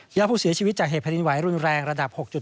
หยอดผู้เสียชีวิตจากเหตุผลิตไวท์รุนแรงระดับ๖๘